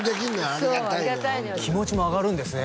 ありがたい気持ちも上がるんですね